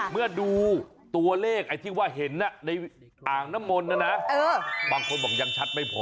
เมื่อดูตัวเลขไอ้ที่ว่าเห็นในอ่างน้ำมนต์นะนะบางคนบอกยังชัดไม่พอ